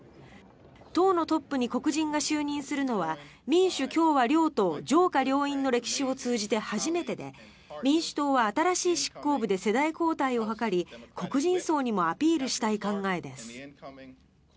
党のトップに黒人が就任するのは民主・共和両党上下両院の歴史を通じて初めてで民主党は新しい執行部で世代交代を図り黒人層にもアピールしたい考えです。